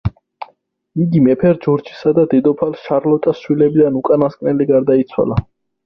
იგი მეფე ჯორჯისა და დედოფალ შარლოტას შვილებიდან უკანასკნელი გარდაიცვალა.